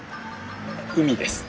海です！